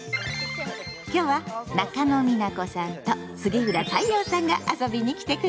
今日は中野美奈子さんと杉浦太陽さんが遊びに来てくれたわよ。